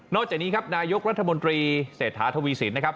จากนี้ครับนายกรัฐมนตรีเศรษฐาทวีสินนะครับ